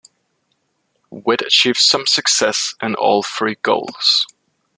Wead achieves some success in all three goals.